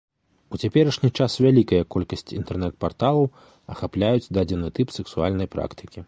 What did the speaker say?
У цяперашні час вялікая колькасць інтэрнэт-парталаў ахапляюць дадзены тып сэксуальнай практыкі.